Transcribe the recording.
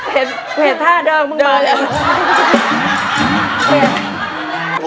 เห็นท่าเดิมมึงมาเลย